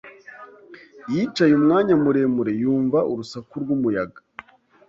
Yicaye umwanya muremure, yumva urusaku rw'umuyaga.